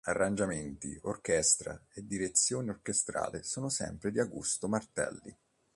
Arrangiamenti, orchestra e direzione orchestrale sono sempre di Augusto Martelli.